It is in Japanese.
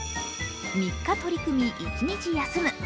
３日取り組み１日休む